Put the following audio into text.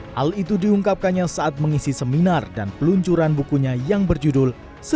hal itu diungkapkannya saat mengisi seminar dan peluncuran bukunya yang berjudul